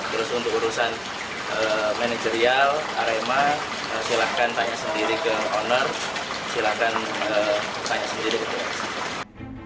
terus untuk urusan manajerial arema silahkan tanya sendiri ke owner silakan tanya sendiri